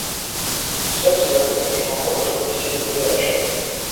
Seul ce dernier est encore aujourd’hui célébré à la chapelle.